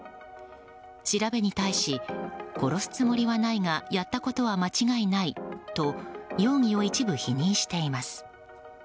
調べに対し殺すつもりはないがやったことは間違いないと容疑を一部否認しています。